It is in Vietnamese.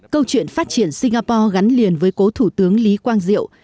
câu chuyện phát triển singapore gắn liền với cố thủ tướng lý quang diệu